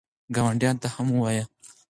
ګاونډیانو ته هم ووایئ.